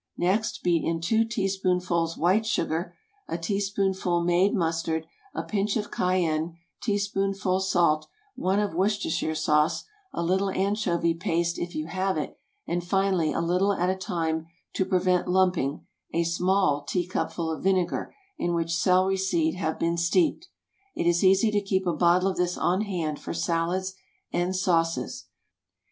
Next beat in two teaspoonfuls white sugar, a teaspoonful made mustard, a pinch of cayenne, teaspoonful salt, one of Worcestershire sauce, a little anchovy paste if you have it, and finally, a little at a time to prevent lumping, a small teacupful of vinegar in which celery seed have been steeped. It is easy to keep a bottle of this on hand for salads and sauces.